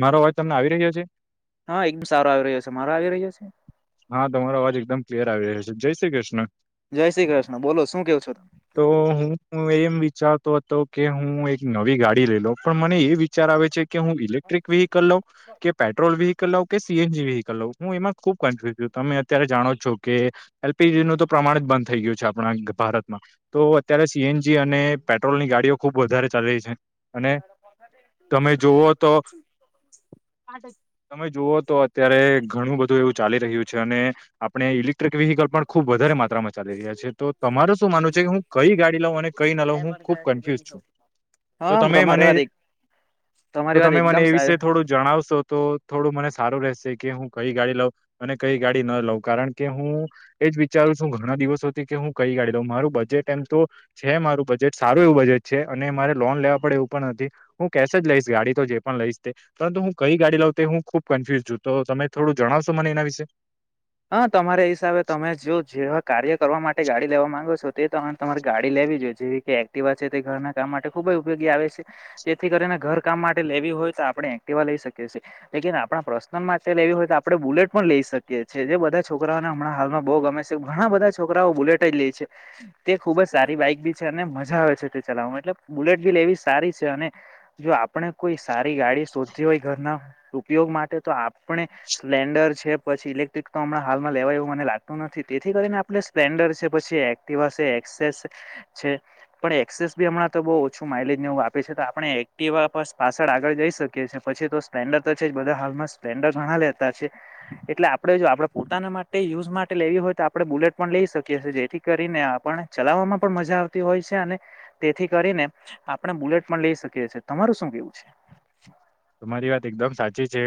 મારો અવાજ તમને આવી રહ્યો છે? હા એકદમ સારો આવી રહ્યો છે. મારો આવી રહ્યો છે? હા તમારો અવાજ એકદમ ક્લિયર આવી રહ્યો છે. જય શ્રી કૃષ્ણ. જય શ્રી કૃષ્ણ બોલો શું કેવ છો તમે તો હું એમ વિચારતો હ હતો કે હું એક નવી ગાડી લઈ લેવ પણ મને એ વિચાર આવે છે. કે હું ઇલેક્ટ્રિક વ્હીકલ લઉ કે પેટ્રોલ વ્હીકલ લઉ કે સીએનજી વ્હીકલઉ હું એમાં ખુબ કનફયુસ છું. તમે અત્યારે જાણો છો કે એલ પી જી નું તો પ્રમાણ જ બંધ થઈ ગયું છે આપણા ભારતમાં તો અત્યારે સી એન જી અને પેટ્રોલ ની ગાડીઓ ખુબ વધારે ચાલી રહી છે અને તમે જુઓ તો તમે જુઓ તો અત્યારે ઘણું બધું એવું ચાલી રહ્યું છે અને આપણે ઇલેક્ટ્રિક વ્હીકલ પણ ખુબ વધારે માત્રામાં ચાલી રહ્યા છે. તો તમારે શું માનવુ છે. હું કઈ ગાડી લઉં અને કઈ ના લઉં હું ખુબ કન્ફ્યુઝ છું. તો હા તમે તમારે મને વાર એક તો તમે મને એ વિશે થોડું જણાવશો? તો થોડું મને સારું રહેશે કે હું કઈ ગાડી લઉં અને કઈ ગાડી ન લઉં કારણ કે હું એજ વિચારું છું ઘણા દિવસોથી કે હું કઈ ગાડી લઉં મારું બજ બજેટ એમ તો છે મારું બજેટ સારું એવું બજેટ છે અને મારે લોન લેવા પડે એવું પણ નથી હું કેશ જ લ લઈશ ગાડી તો જે પણ લઈશ તે પરંતુ હું કઈ ગાડી લઉ તે હું ખુબ કન્ફ્યુઝ છું તો તમે થોડું જણાવશો કય. મને એના વિશે હા તમારા હિસાબે તમે જો જેવા કાર્ય કરવા માટે ગાડી લેવા માંગો છો તે પ્રમાણે તમારી ગાડી લેવી જોઈએ. જેવી કે એક્ટિવા છે તે ઘરના કામ માટે ખુબ જ ઉપયોગી આવે છે જેથી કરીને ઘર કામ માટે લેવી હોય તો આ પડે એક્ટિવા લઈ શકીએ છીએ લેકીન આપણા પ્રશ્નલ માટે લેવી હોય તો આપણે બુલેટ પણ લઈ શકીએ છે. જે બધા છોકરાઓને હમણાં હાલમાં બો ગમે છે ઘણા બધા છોકરાઓ બુલેટ જ લે છે તે ખુબ જ સારી બાઈક બી છે અને મજા આવે છે તે ચલા એટલે બુલેટ બી લેવી સારી છે અને જો આપણે કોઈ સારી ગાડી શોધતી હોય ઘરના ઉપયોગ માટે તો આપણે સ્પ્લેન્ડર છે પછી ઇલેક્ટ્રિક તો હમણા હાલમાં લેવાય એવું મને લાગતું નથી તેથી કરીને આપણે સ્પ્લેન્ડર છે પછી એક્ટિવા છે એક્સેસ છે પણ એક્સેસ બી હમણાં તો બો ઓછું માઇલેજ ને એવું આપે છે તો આપણે એક્ટિવા પાસડ આગળ જઈ શકીએ છે. પછી તો સ્પ્લેન્ડર તો છે બધા હાલમાં સ્પ્લેન્ડર ઘણા લેતા છે એટલે આપડે જો આપણે પોતાના માટે યુઝ માટે લેવી હોય તો આપણે બુલેટ પણ લઈ શકીએ છીએ જેથી કરીને આપણે ચલાવ મા પણ મજા આવતી હોય છે અને તેથી કરીને આપણે બુલેટ પણ લઈ શકીએ છીએ. તમારું શું કેવું છે? [inaudible] તમારી વાત એકદમ સાચી છે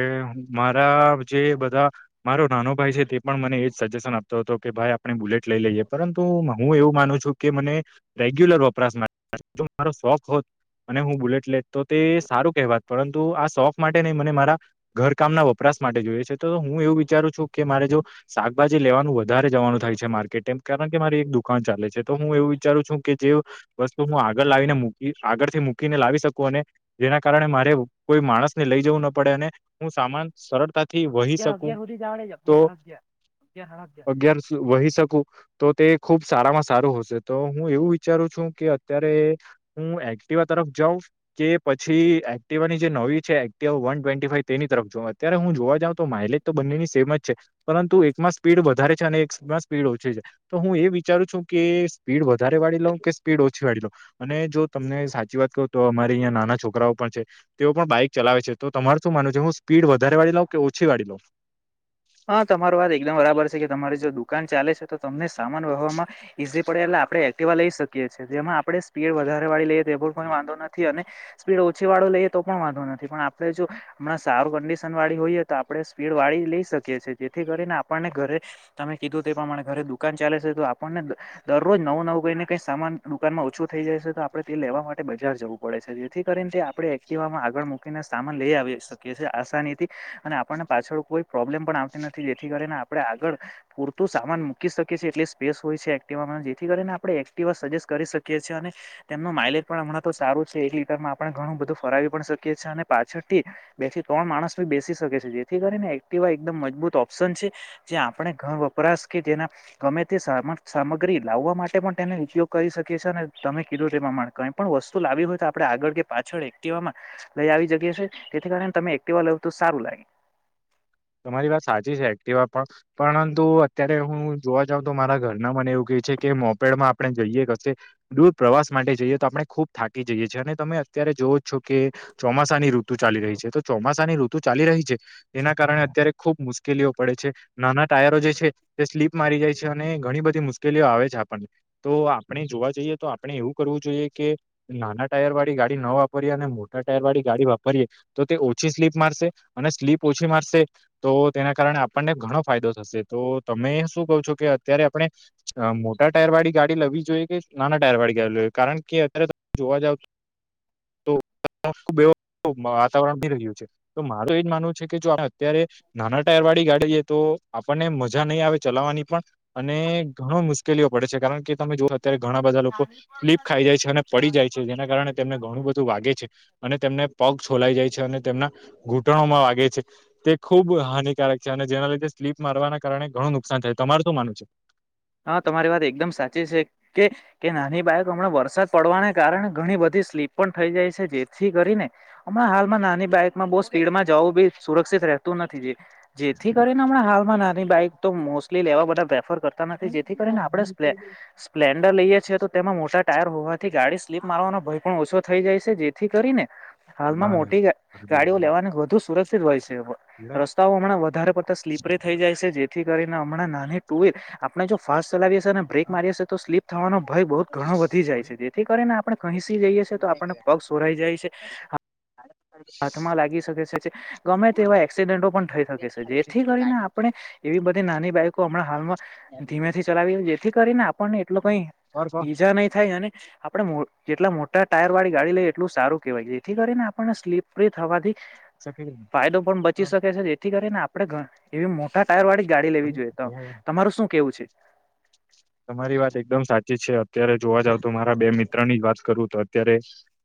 મારા જે બધા મારો નાનો ભાઈ છે તે પણ મને એજ સજેસન આપતો હતો કે ભાઈ આપણે બુલેટ લઈ લઈએ પરંતુ હું એવું માનું છું કે મને રેગ્યુ લર વપરાશ [unintelligible] શોખ હોત અને હું બુલેટ લે તો તે સારું કહેવાતુ તો આ શોખ માટે નહી મને મારા ઘરકામના વપરાશ માટે જોઈએ છે તો હું એવું વિચારું છું કે મારે જો. શાકભાજી લેવાનું વધારે જવાનું થાય છે માર્કેટે કારણ કે મારી એક દુકાન ચાલે છે, તો હું એવું વિચારું છું કે. જે વસ્તુ હું આગળ લાવીને મૂકી આગળથી મૂકીને લાવી શકું અને જેના કારણે મારે કોઈ માણસ ને લઈ જવું ન પડે, અને હું સામાન સરળતાથી વહી અગિયાર શકું અગિયાર સુધી જ આવડે છે, તો અગિયાર સાડા અગિયાર અગિયાર સાડા અગિયાર વહી શકું તો તે ખુબ સારામાં સારું હશે તો હું એવું વિચારું છું કે અત્યારે હું એક્ટિવા તરફ જાઉ. કે પછી એક્ટિવાની જે ન છે ટવે ફવ તેની તરફ અત્યારે હું જોવા જં તો માઇલેજ તો બંનેની સેમ જ છે‌. પરુ એકમાં સ્પીડ વધારે છે, અને એકમાં સ્પીડ ઓછી છે તો હું એ વિચારું છું, કે સ્પીડ વધારે વાળી કે સ્પીડ ઓછી વાળી લો અને જો તમને સાચી વાત કહું તો અમારે અહીં નાના છોકરાઓ પણ છે. તેઓ પણ બાઈક ચલાવે છે, તો તમાર શું માનવ છે હું પીડ વધારે વાળી લો કે ઓછી વાળી લો. હા તમાર વાત એકદમ બરાબર છે કે તમારી જો દુકાન ચાલે છે તો તમને સામાન વાહવામાં ઈઝી પડે એટલે આપણે એક્ટિવા લઈ શકીએ છીએ, જેમાં આપણે સ્પીડ વધારે વાળી લઈએ તો પણ વાંધો નથી, અને સ્પીડ ઓછી વાળો લઈએ તો પણ વાંધો નથી, પણ આપણે જો હમણાં સારું કંડિશન વાળી હોઈએ તો આપણે સ્પીડ વાળી લઈ શકીએ છીએ, જેથી કરીને આપણને ઘરે તમે કીધું. તે પ્રમાણે ઘરે દુકાન ચાલે છે તો આપણને દરરોજ નવું નવું કઈને કઈ સામાન દુકાનમાં ઓછું થઈ જાય છે, તો આપણે તે લેવા માટે બજાર જવું પડે છે, જેથી કરીને તે આપણે એક્ટિવામાં આગળ મૂકીને સામાન લઈ આવી. આની અને આપણને પાછળ કોઈ પ્રોબ્લેમ પણ આવતી નથી, જેથી કરીને આપણે આગળ પ શું સામાન મૂકી શકીએ છીએ, એટલી સ્પેસ હોય છે એક્ટિવામાં જેથી કરીને આપણે એક્ટિવા સજેસ્ટ કરી શકીએ છીએ, અને તેમનો માઇલેજ પણ હમણાં તો સારું છે એક લીટરમાં આપ ઘણું બધું ફરાવી પણ શકીએ છીએ, અને પાછળથી બેથી ત્રણ માણસને બેસી શકે છે, જેથી કરીને એક્ટિવા એકદમ મજબૂત ઓપ્શન છે, જે આપણે ઘર વપરાશ કે જેના અમે તે સામાન સામગ્રી લાવવા માટે પણ તેનો ઉપયોગ કરી શકી છી અને તમે કઈ પણ વસ્તુ લાવી હોય તો આપણે આગ પાછળ એક્ટીવા લઈ આવીએ છીએ તેથી કારણે તમે એક્ટિવા લાવ તો સારું લાગે. તમારી વાત સાચી છે એક્ટિવા પણ પરંતુ અત્યારે હું જોવા જઉં તો મારા ઘરના મને એવું કે કે મોપેડમાં આપણે જઈએ કશે દૂર પ્રવાસ માટે જઈએ તો આપણે ખૂબ થાકી જઈએ છીએ, અને તમે અત્યારે જોવો જ છો, કે ચોમાસાની ઋતુ ચાલી રહી છે, તો ચોમાસાની ઋતુ ચાલી રહી છે, તેના કારણે અત્યારે ખુબ મુશ્કેલીઓ પડે છે, નાના ટાયરો જે છે તે સ્લીપ મારી જાય છે, અને ઘણી બધી મુશ્કેલ મુશ્કેલીઓ આવે છે આપણને તો આપણે જોવા જઈએ તો આપણે એવું કરવું જોઈએ, કે નાના ટાયર વાળી ગાડી ન વાપરીએ અને મોટા ટાયર વાળી ગાડી વાપરીએ તો તે ઓછી સ્લીપ મારશે અને સ્લીપ ઓછી મારશે. તો તેના કારણે આપણને ઘણો ફાયદો થશે તો તમે શું કહો છો કે અત્યારે આપણે મોટા ટાયર વાળી ગાડી લવી જોઈએ કે નાના ટાયર વાળી ગાડી લઈએ કારણ કે અત્યારે ત જોવા જાવ છો. તો ખબવ વાતાવરણ બી રહ્યું છે તો મારું એજ માનવું છે કે જો [inaudible] અત્યારે નાના ટાયર વાળી ગાડી છે, તો આપણને મજા નહીં આવે ચલાવવાની પણ અને ઘણો મુશ્કેલીઓ પડે છે, કારણ કે તમે જો અત્યારે ઘણા બધા લોકો ફલીપ ખાઈ જાય છે, અને પડી જાય છે, જેના કારણે તેમને ઘણું બધું વાગે છે, અને તેમને પગ છોલાઈ જાય છે, અને તેમના ઘૂંટણોમાં વાગે છે, તે ખૂબ હાનિકારક છે, અને જેના લીધે સ્લીપ મારવાના કારણે ઘણું નુકસાન થાય તમાર શું માનું છે. હા તમારી વાત એકદમ સાચી છે કે કે નાની બાાયક હમણાં વરસાદ પડવાને કારણે ઘણી બધી સ્લીપ પણ થઈ જાય છે, જેથી કરીને હમણાં હાલમાં નાની બાઈકમાં બો સ્પીડમાં જવું બી સુરક્ષિત રહેતું નથી જેથી કરીને હ મણા હાલમાં નાની બાઈક તો મોસ્ટલી લેવા બધા પ્રેફર કર તા નથી જેથી કરીને આપણે સપલે સ્પ્લેન્ડર લઈએ છીએ, તો તેમાં મોટા ટાયર હોવાથી ગાડી સ્લીપ મારવાનો ભય પણ ઓછો થઈ જાય છે, જેથી કરીને હાલમાં મોટી ગા ગાડીઓ લેવાની વધુ સુરક્ષિત હોય છે. રસ્તાઓ હમણાં વધારે પડતા સ્લીપરે થઈ જાય છે, જેથી કરીને હમણાં નાની ટુવીલ આપને જો ફાસ ચલાવી હશે અને બ્રેક મારી હશે તો સ્લીપ થવાનો ભય બહુ ઘણો વધી જાય છે, જેથી કરીને આપણે કંસી જઈએ છીએ તો આપણને પગ શોરાઈ જાય છે. હાથમાં લાગી શકે છે, ગમે તેવા એક્સિડેન્ટો પણ થઈ શકે છે, જેથી કરીને આપણે એવી બધી નાની બાઈકો હમણાં હાલમાં ધીમેથી ચલાવી જેથી કરીને આપ એટલુ કઈ ઈજા નહીિ થાય અને આપણે મો જેટલા મોટા ટાયર વાળી ગાડી લઈએ એટલું સારું કેહેવાય જેથી કરીને આપણને સ્લીપ્રી થવાથી ફાયદો પણ બચી શકે છે, જેથી કરી ને આપડે એવી મોટા ટાયર વાળી ગાડી લેવી જોઈએ તો તમારું શું કેવું છે? તમારી વાત એકદમ સાચી છે, ત્યારે જોવા જાવ તો મારા બે મિત્ર ની જ વાત કરું તો અત્યારે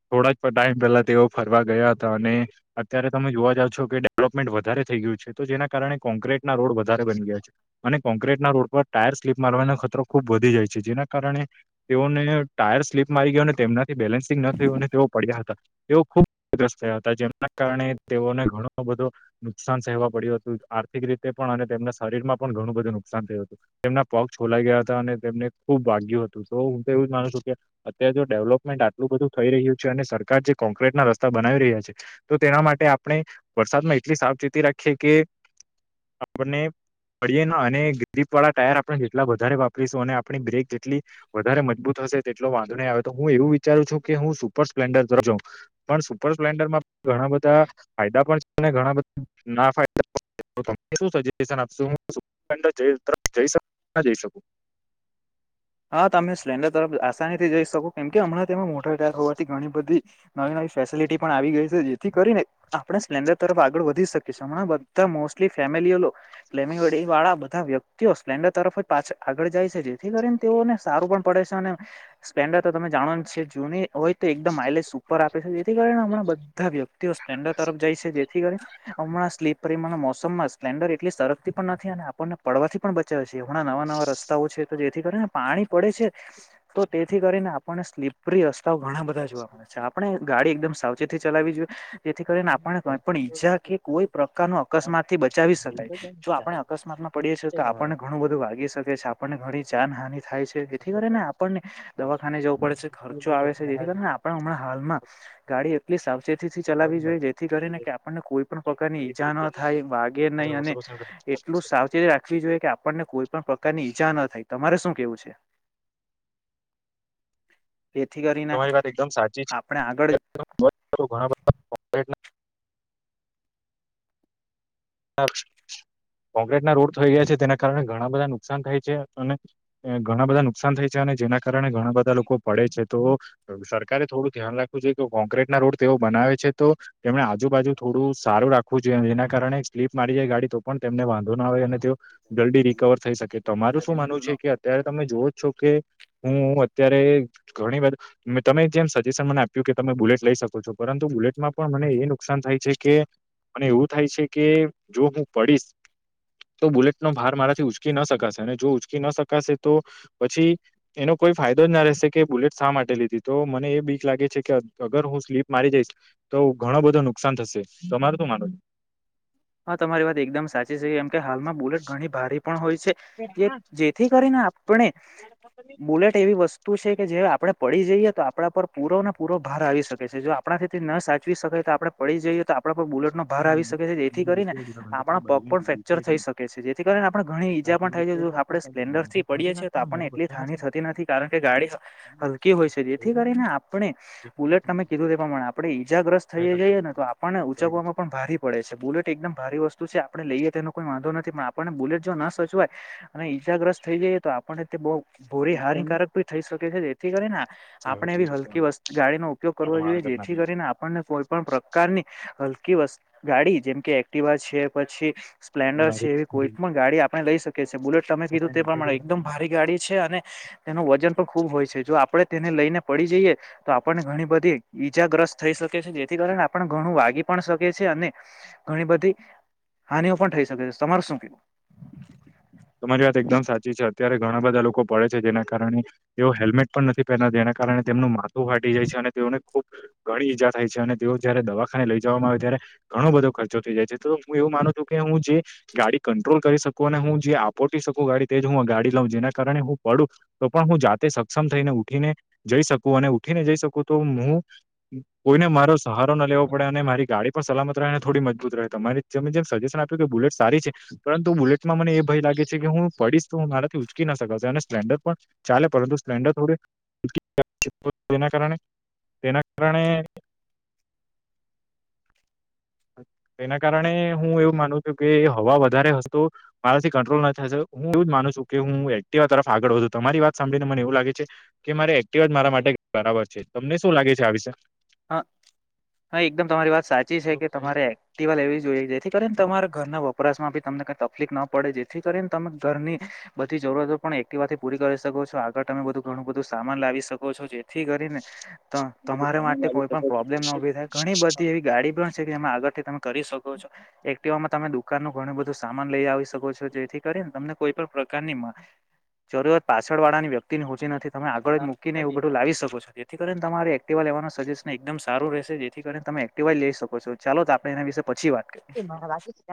થોડા જ ટાઈમ પહેલા તેઓ ફરવા ગયા હતા અને અત્યારે તમે જોવા જાવ છો કે ડેવલોપમેન્ટ વધારે થઈ ગયુ છે તો જેના કારણે કોક્રીટ ના રોડ વધારે બની ગયા છે, અને કોન્ક્રીટના રોડ પર ટાયર સ્લીપ મારવાનો ખતરો ખૂબ વધી જાય છે, જેના કારણે તેઓને ટાયર સ્લીપ મારી ગયો અને તેમના બેલેન્સિંગ ન થયું અને તેઓ પડ્યા હતા તેઓ ખૂબ [unintelligible] થયા હતા જેમના કારણે તેઓને ઘણું બધો નુકસાન સહેવા પડ્યું હતું આર્થિક રીતે પણ પણ અને તેમના શરીર માં પણ ઘણું બધું નુકસાન થયું હતું તેમના પગ છોલાઈ ગયા અને તેમને ખુબ વાગ્યું હતું તો હું તો એવું જ માનું છું કે અત્યારે જો ડેવલપમેન્ટ આટલું બધું થઈ રહ્યું છે. સરકાર જે કોક્રટ ના રસ્તા બનાવી રહ્યા છે, તો તેના માટે આપણે વરસાદમાં એટલી સાવચેતી રાખીએ કે આપને પડીએ ન અને ગીપ વાળા ટાયર આપણે જેટલા વધારે વા પરીશુ અને આપણી બ્રેક જેટલી વધારે મજબૂત હશે તેટલો વાંધો નહીં આવે તો હું એવું વિચારું છું, કે હું સુપર સ્પેન્ડ તરફ જવ પણ સુપર સ્પ્લેન્ડરમાં ઘણા બધા ફાયદા પણ છે, અને ઘણા બધા ના [inaudible] હા તમે સ્પેન્ડર તરફ આસાનીથી જઈ શકો કેમ કે હમણાં તેમાં મોટર ટાયર હોવાથી ઘણી બધી નવી ન વી ફેસિલીટી પણ આવી ગઈ છે, જેથી કરીને આપ સપલેનદર તરફ આગળ વ ધી શકીશ હમણાં બધા મોસ્ટલી ફેમિલીઓ ફેલીમિંગ વળી વાળા બધા વ્યક્તિઓ સ્પ્લેન્ડર તરફ જ પાછા આગળ જાય છે, જેથી કરી ને તેઓને સારું પણ પડે છે, અને સ્પ્લેન્ડર તો તમે જાણો જ છે જૂની હોય તો એકદમ માઇલેજ સુપર આપે જેથી કરીને હમણાં બધા વ્યક્તિઓ સપલેન્ડર તરફ જાય છે, જેથી કરી હમણાં સ્લીપરીમાના મો સમમાં સ્પ્ન્ડર એટલી સરકતી પણ નથી અને આપણને પડવાથી પણ બચાવ છે, હમણાં નવા નવા રસ્તાઓ છે તો જે થી કરીને પાણી પડે છે, તો તેથી કરીને આપણને સ્લીપ ઉપરી રસ્તાઓ ઘણા બધા જોવા મળે છે, આપણે ગાડી એકદમ સાવચેતી ચલાવી જોઈએ જેથી કરીને આપણે કઈ પણ ઈજા કે કોઈ પ્રકાર નુ અકસ્માત થી બચાવી એ તો શકાય છે ને જો ચાલુ આપણે અકસ્માતમાં પડીએ છીએ વચ્ચે તો આપણને જવાનું ઘણું બધું વાગી શકે છે, આપણને ઘણી જાનહાની થાય છે, જેથી સખત કરીને આપણને દવાખાને જવું પડે છે, ખર્ચો આવે છે, જેથી કરીને આપ હમણાં હાલમાં ગાડી એટલી સાવચેતીથી ચલાવી જોઈએ જેથી કરીને કે આપણને કોઈ પણ પ્રકારની ઈજા ન થાય વાગે નય અને એટલું સાવચેતી રાખવી જોઈએ કે આપણને કોઈ પણ પ્રકારની ઈજા ન થાય તમારે શું કેવું છે. જેથી કરીને તમારી વાત એકદમ સાચી છે. આપણે આગળ ઘણા બધા [unintelligible] કોક્રટ ના રોડ થઈ ગયા છે તેના કારણે ઘણા બધા નુકસાન થાય છે અને ઘણા બધા નુકસાન થાય છે અને જેના કારણે ઘણા બધા લોકો પડે છે તો સરકારે થોડું ધ્યાન રાખવું જોઈ કે કોંક્રીટ ના રોડ તેઓ બનાવે છે તો તેમને આજુબાજુ થોડું સારું રાખવું જોઈએ જેના કારણે સ્લીપ મારી જાય ગાડી તો પણ તેમને વાંધો ના આવે અને તેઓ જલ્દી રિકવર થઈ શકે તો તમારું શું માનવું છે કે અત્યારે તમે જોવો જ છો કે હું અત્યારે ઘણી બધ મે તમે જેમ સજેશન મને આપ્યું કે તમે બુલેટ લઈ શકો છો પરંતુ બુલેટમાં પણ મને એ નુકસાન થાય છે કે અને એવું થાય છે કે જો હું પડીશ તો બુલેટનો ભાર મારાથી ઉચકી ના શકાશે અને જો ઉંચકી ન શકાશે તો પછી એનો કોઈ ફાયદો જ ના રહેશે કે બુલેટ શા માટે લીધી તો મને એ બી જ લાગે છે કે અગર હું સ્લીપ મારી જઈશ તો ઘણો બધો નુકસાન થશે તોરું શ માનો છ હા તમારી વાત એકદમ સાચી છે કેમ કે હાલમાં બુલેટ ઘણી ભારે હોય છે જેથી કરીને આપણે બુલેટ એવી વસ્તુ છે કે જે આપણે પડી જઈએ તો આપણા પર પૂરો ને પૂરો ભાર આવી શકે છે જો આપણાથીથી ન સાચવી શકે આપણે પડી જઈએ તો આપડ પણ બુલેટ નો ભાર આવી શકે છે જેથી કરીને આપણા પગ પણ ફ્રેક્ચર થઈ શકે છે જેથી કરીને આપણે ઘણી ઈજા પણ થાય છે જો આપણે સ્પ્લેન્ડર પડીએ છે તો આપને એટલી હાનિ થતી નથી કારણ કે ગાડી હલકી હોય છે જેથી કરીને આપણે બુલેટ તમે કીધું તે એ પ્રમાણે આપણે ઈજાગ્રસ્ત થઈ જઈએ ને તો આપણને ઉચકવામાં પણ ભારે પડે છે બુલેટ એકદમ ભારી વસ્તુ છે આપણે લઈએ તેનો કોઈ વાંધો નથી પણ આપણને બુલેટ જો ના સજવાય અને ઈજાગ્રસ્ત થઈ જાય તો આપને બહુ ભોરી હાનિકારક ભી થઈ શકે છે જેથી કરીને આપણે એવી હલકી વસ્ત ગાડી નો ઉપયોગ કરવો જોઈએ જેથી કરીને આપણને કોઈ પણ પ્રકારની હલકી વસ્ ગાડી જેમ કે એક્ટિવા છે પછી સ્પ્લેન્ડર છે એવી કોઈ પણ ગાડી આપણે લઈ શકી છીએ બુલેટ તમે કીધું તેમા એકદમ ભારી ગાડી છે અને તેનું વજન પણ ખુબ હોય છે જો આપડણે તેને લઈને પડી જઈએ તો આપણને ઘણી બધી ઈજાગ્રસ્ત થઈ શકે છે જેથી કારણે આપણ ઘણું વાગી પણ શકે છે અને ઘણી બધી હાનિઓ પણ થઈ શકે છે તમારે શું કેવું તમારી વાત એકદમ સાચી છે અત્યારે ઘણા બધા લોકો પડે છે જેના કારણે એઓ હેલ્મેટ પણ નથી પહેના જેના કારણે તેમનું માથું ફાટી જાય છે અને તેઓને ખૂબ ઘણી ઈજા થાય છે અને તેઓ જયારે દવાખાને લઈ જવામાં આવે તૈયારે બધો ખર્ચો થ જાય છે તો હું એવું માનું છું કે હું જે ગાડી કંટ્રોલ કરી શકું અને હું જે પોટી શકું ગાડી તેજ હું ગાડી લઉં જેના કારણે હું પડું તો પણ હું જાતે સક્ષમ થઈને ઉઠીને જઈ શકું અને ઉઠીને જઈ શકું તો હું કોઈને મારો સહારો ના લેવો પડે અને મારી ગાડી પર સલામતને થોડી મજબૂત રહે ત જેમ સજેશન આપ્યું કે બુલેટ સારી છે પરંતુ બુલેટમાં મને એ ભય લાગે છે કે હું પડીશ તો હું મારાથી ઉચકી ના શકાશે અને સ્પલેન્ડર પણ ચાલે પરંતુ સ્પલેન્ડર થોડું તેના કારણે તેના કારણે એના કારણે હું એવું માનું છું કે હવા વધારે હતો મારાથી કંટ્રોલ ના થશે હું એવું જ માનું છું કે હું એક્ટિવા તરફ આગળ વધુ મારી વાત સાંભળીને મને એવું લાગે છે કે મારે એક્ટિવા મારા માટે બરાબર છે તમને શું લાગે છે આ વિશે હા હા એકદમ તમારી વાત સાચી છે કે તમારે એક્ટિવા લેવી જોઈએ જેથી કરીને તમારા ઘરના વપરાશમાં બી તમને કઈ તકલીફ ન પડે જેથી કરીને તમે ઘરની બધી જરૂરીતો પણ એક્ટિવાથી પૂરી કરી શકો છો આગળ તમે બધું ઘણું બધું સામાન લાવી શકો છો જેથી કરીને તો તમારે માટે કોઈ પણ પ્રોબ્લેમ ના ઉભી થાય ઘણી બધી એવી ગાડી પણ છે કેમાં આગળથી તમે કરી શકો છો એક્ટીવા તમે દુકાન ન ઘણું બધું સામાન લઈ આવી શકો છો જેથી કરીને તમને કોઈ પણ પ્રકારની જરૂરિયાત પાછળ વાળાની વ્યક્તિ ની હોચી નથી તમે આગળ જ મૂકીને એવ બધું લી શકો છો જેથી કરીને તમારે એક્ટીવા લેવાનું સેશન એકદમ સારું રહેશે જેથી કરીને તમે એક્ટિવાઈઝ લઈ શકો છો ચાલો તો આપણે એના વિશે પછી વાત કરીએ એ મારા વાકી છે